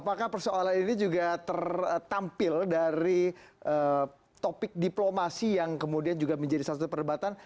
apakah persoalan ini juga tertampil dari topik diplomasi yang kemudian juga menjadi satu perdebatan